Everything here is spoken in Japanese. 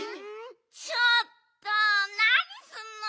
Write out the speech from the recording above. ちょっとなにすんのよ！